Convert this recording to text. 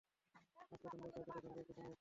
আজ প্রথমবার কাউকে দেখার পর, কিছু অনুভব করছি।